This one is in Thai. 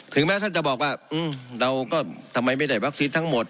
แม้ท่านจะบอกว่าเราก็ทำไมไม่ได้วัคซีนทั้งหมด